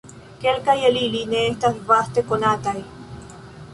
Kelkaj el ili ne estas vaste konataj.